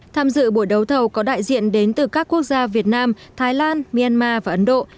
tham dự buổi đấu thầu có đại diện đến từ các quốc gia việt nam thái lan myanmar và ấn độ